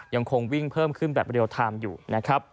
ยังคงวิ่งเพิ่มขึ้นแบบเรียลไทม์อยู่นะครับ